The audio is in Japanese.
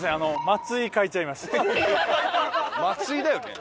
松井だよね。